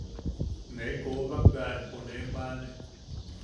Nee koobak bea empo nee bwaʼane.